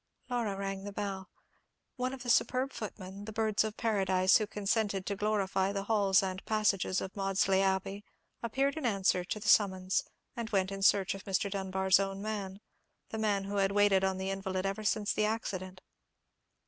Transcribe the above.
Laura rang the bell. One of the superb footmen, the birds of paradise who consented to glorify the halls and passages of Maudesley Abbey, appeared in answer to the summons, and went in search of Mr. Dunbar's own man—the man who had waited on the invalid ever since the accident.